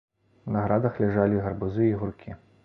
На градах ляжалі гарбузы і гуркі.